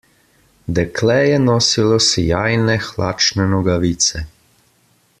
Dekle je nosilo sijajne hlačne nogavice.